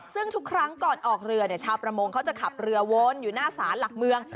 ซึ่งทุกครั้งก่อนออกเรือชาวประมงเขาจะขับเรือวนอยู่หน้าศาลหลักเมือง